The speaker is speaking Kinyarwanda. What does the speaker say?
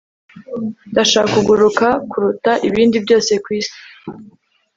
ndashaka kuguruka kuruta ibindi byose kwisi